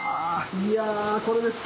いやこれです。